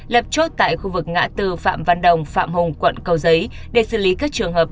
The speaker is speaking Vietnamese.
lập chốt tại khu vực ngã tư phạm văn đồng phạm hùng quận cầu giấy để xử lý các trường hợp